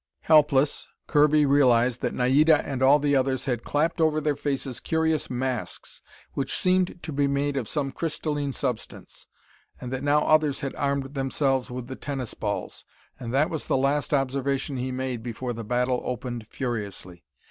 Helpless, Kirby realized that Naida and all the others had clapped over their faces curious masks which seemed to be made of some crystalline substance, and that now others had armed themselves with the tennis balls. And that was the last observation he made before the battle opened furiously.